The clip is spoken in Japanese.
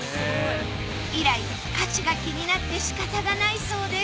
以来価値が気になってしかたがないそうです